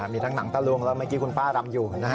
มีทั้งต้านรุงแล้วเมื่อกี้คุณป้ารำอยู่นะครับ